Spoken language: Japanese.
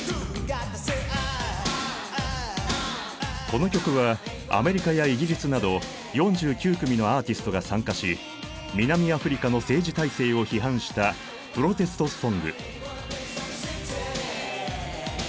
この曲はアメリカやイギリスなど４９組のアーティストが参加し南アフリカの政治体制を批判したプロテストソング。